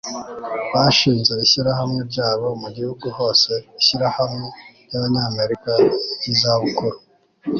Bashinze ishyirahamwe ryabo mu gihugu hose Ishyirahamwe ryAbanyamerika ryizabukuru